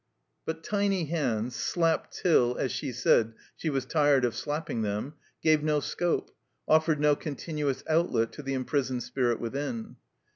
But tiny hands, slapped till (as she said) she was tired of slapping them, gave no scope, offered no continuous outlet to the imprisoned spirit within.